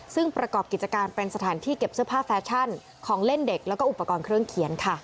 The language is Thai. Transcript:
ซึ่งประกอบกิจการเป็นสถานที่เก็บเสื้อผ้าแฟชั่นของเล่นเด็กแล้วก็อุปกรณ์เครื่องเขียนค่ะ